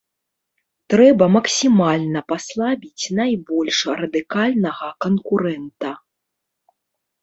Трэба максімальна паслабіць найбольш радыкальнага канкурэнта.